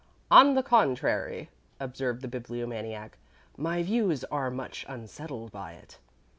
"On the contrary," observed the Bibliomaniac. "My views are much unsettled by it."